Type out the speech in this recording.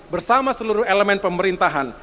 bersama seluruh elemen pemerintahan